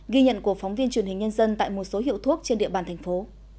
ghi nhận của phóng viên truyền hình nhân dân tại một số hiệu thuốc trên địa bàn thành phố